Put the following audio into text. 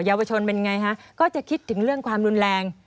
ยาวชนเป็นไงฮะก็จะคิดถึงเรื่องความรุนแรง